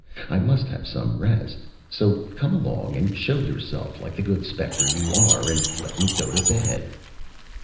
I must have some rest, so come along and show yourself, like the good spectre you are, and let me go to bed."